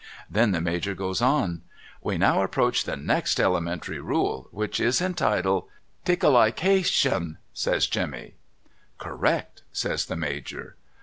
Then the Major goes on :' We now approach the next elementary rule, — which is entitled '' Tickleication ' cries Jemmy. ' Correct ' says the Major.